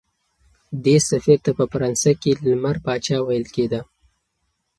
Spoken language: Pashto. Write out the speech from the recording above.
دې سفیر ته په فرانسه کې لمر پاچا ویل کېده.